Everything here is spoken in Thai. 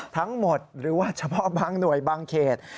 ทั้งหมดหรือว่าเฉพาะบางหน่วยบางเขต